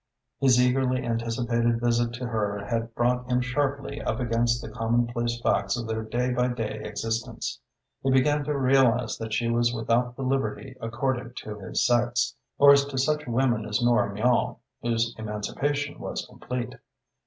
His eagerly anticipated visit to her had brought him sharply up against the commonplace facts of their day by day existence. He began to realise that she was without the liberty accorded to his sex, or to such women as Nora Miall, whose emancipation was complete.